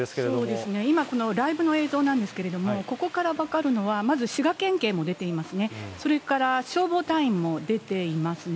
そうですね、今このライブの映像ですけれども、ここから分かるのは、まず滋賀県警も出ていますね、それから消防隊員も出ていますね。